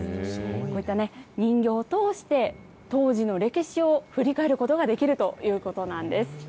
こういった人形を通して、当時の歴史を振り返ることができるということなんです。